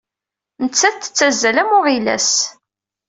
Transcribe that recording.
Nettat tettazzal am uɣilas.